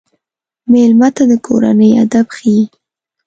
مېلمه ته د کورنۍ ادب ښيي.